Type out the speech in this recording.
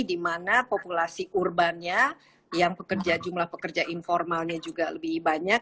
di mana populasi urbannya yang jumlah pekerja informalnya juga lebih banyak